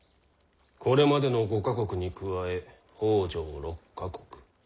これまでの５か国に加え北条６か国。